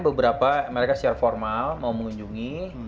beberapa mereka secara formal mau mengunjungi